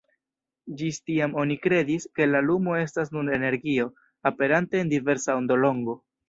Ĝis tiam oni kredis, ke la lumo estas nur energio, aperante en diversa ondolongo.